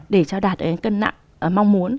để cho đạt đến cân nặng mong muốn